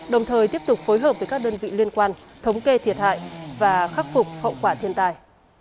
đồng thời tiếp tục phối hợp với các đơn vị liên quan thống kê thiệt hại và khắc phục hậu quả thiên tai